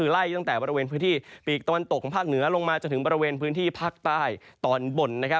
หรือลงมาจะถึงบริเวณพื้นที่ภาคใต้ตอนบน